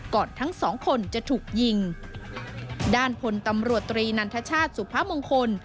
ทั้งสองคนจะถูกยิงด้านพลตำรวจตรีนันทชาติสุพมงคล